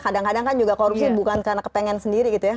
kadang kadang kan juga korupsi bukan karena kepengen sendiri gitu ya